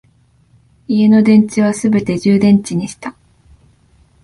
家の電池はすべて充電池にした